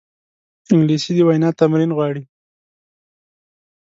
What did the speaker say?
انګلیسي د وینا تمرین غواړي